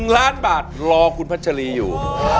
๑ล้านบาทรอคุณพัชรีอยู่